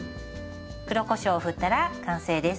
黒こしょうを振ったら完成です。